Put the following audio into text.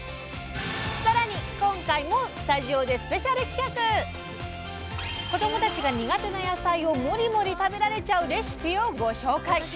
さらに今回も子どもたちが苦手な野菜をモリモリ食べられちゃうレシピをご紹介。